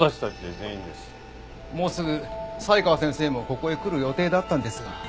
もうすぐ才川先生もここへ来る予定だったんですが。